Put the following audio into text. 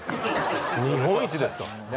日本一ですか？